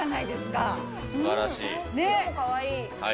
かわいい。